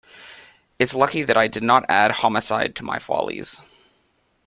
It’s lucky that I did not add homicide to my follies.